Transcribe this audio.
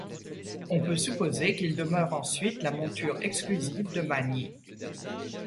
On peut supposer qu'il demeure ensuite la monture exclusive de Magni.